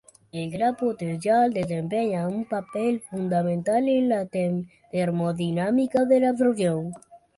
El gran potencial desempeña un papel fundamental en la termodinámica de la adsorción.